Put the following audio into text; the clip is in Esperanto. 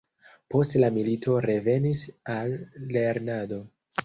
Post la milito revenis al lernado.